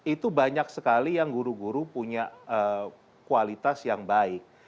itu banyak sekali yang guru guru punya kualitas yang baik